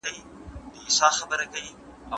زه لوښي نه وچوم.